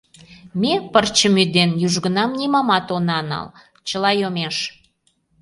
Ме, пырчым ӱден, южгунам нимомат она нал, чыла йомеш.